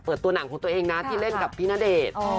ตัวหนังของตัวเองนะที่เล่นกับพี่ณเดชน์